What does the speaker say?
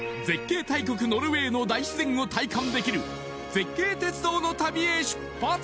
絶景大国ノルウェーの大自然を体感できる絶景鉄道の旅へ出発！